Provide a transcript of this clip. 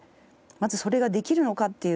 まずそれができるのか？